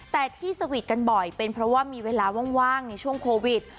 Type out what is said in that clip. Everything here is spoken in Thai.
แต่ที่สวีทกันบ่อยเป็นเพราะว่ามีเวลาว่างในช่วงโควิด